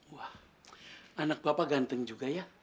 wah anak bapak ganteng juga ya